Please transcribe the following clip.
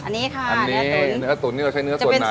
อันนี้ค่ะเนื้อตุ๋นจะเป็นส่วนน่องนะคะ